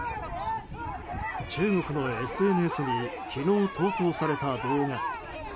中国のＳＮＳに昨日、投稿された動画。